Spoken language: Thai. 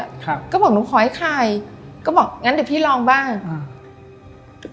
ครับก็บอกหนูขอให้ขายก็บอกงั้นเดี๋ยวพี่ลองบ้างอ่า